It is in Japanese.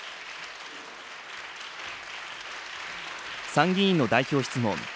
参議院の代表質問。